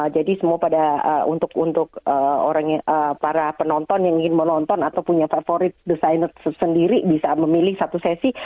jadi semua pada untuk untuk orang para penonton yang ingin menonton atau punya favorit designer sendiri bisa memilih satu sesi